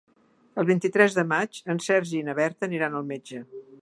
El vint-i-tres de maig en Sergi i na Berta aniran al metge.